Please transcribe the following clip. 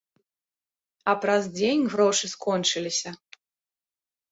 А праз дзень грошы скончыліся.